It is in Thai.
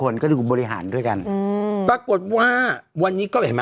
โรงแรม๙๐๐๐ล้าน